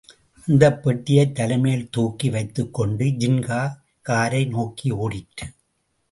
அந்தப் பெட்டியைத் தலைமேல் தூக்கி வைத்துக்கொண்டு ஜின்கா காரை நோக்கி ஓடிற்று.